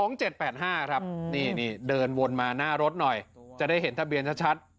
๒๗๘๕ครับนี่นี่เดินวนมาหน้ารถหน่อยจะได้เห็นทะเบียนชัดชัด